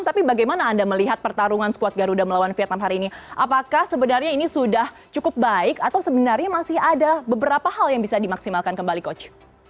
tapi bagaimana anda melihat pertarungan squad garuda melawan vietnam hari ini apakah sebenarnya ini sudah cukup baik atau sebenarnya masih ada beberapa hal yang bisa dimaksimalkan kembali coach